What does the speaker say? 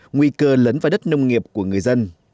nguy cơ lấn vào đất nông nghiệp của người dân